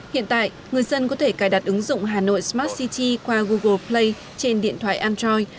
hiện tại người dân có thể cài đặt ứng dụng hà nội smart city qua google play trên điện thoại android